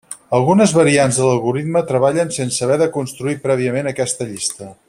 Algunes variants de l'algorisme treballen sense haver de construir prèviament aquesta llista.